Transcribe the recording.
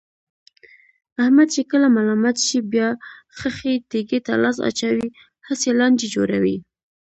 احمد چې کله ملامت شي، بیا خښې تیګې ته لاس اچوي، هسې لانجې جوړوي.